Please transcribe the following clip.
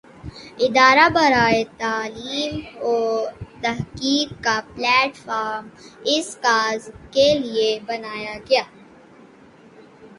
ادارہ برائے تعلیم وتحقیق کا پلیٹ فارم اس کاز کے لئے بنایا گیا۔